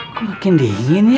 kok makin dingin ya